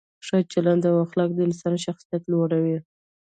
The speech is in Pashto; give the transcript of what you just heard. ښه چلند او اخلاق د انسان شخصیت لوړوي.